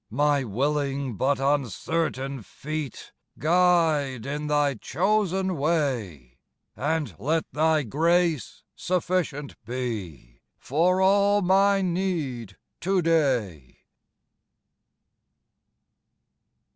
My willing but uncertain feet Guide in Thy chosen way; And let Thy grace sufficient be For all my need to day.